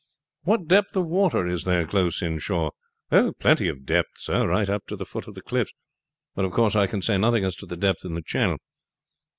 "What depth of water is there close in shore?" "Plenty of depth sir, right up to the foot of the cliffs; but of course I can say nothing as to the depth in the channel."